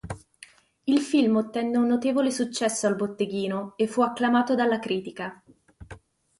Il film ottenne un notevole successo al botteghino e fu acclamato dalla critica.